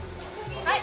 はい。